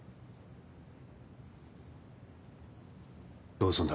どうすんだ？